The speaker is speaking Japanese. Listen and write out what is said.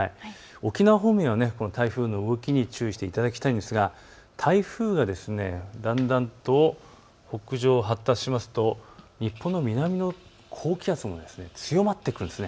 沖縄方面は台風の動きに注意していただきたいんですが台風がだんだんと北上、発達しますと日本の南の高気圧が強まってくるんです。